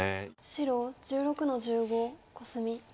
白１６の十五コスミ。